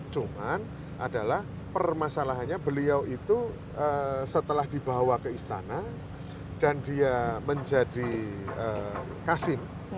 cuman adalah permasalahannya beliau itu setelah dibawa ke istana dan dia menjadi kasim